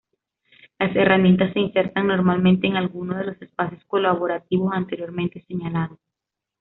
Las herramientas se insertan normalmente en alguno de los espacios colaborativos anteriormente señalados.